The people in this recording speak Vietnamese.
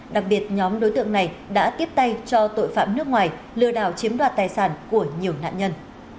đặc biệt nhóm đối tượng này đã tiếp tay cho tội phạm nước ngoài lừa đảo chiếm đoạt tài sản của nhiều nạn nhân